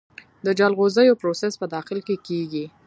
د جلغوزیو پروسس په داخل کې کیږي؟